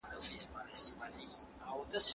Check till here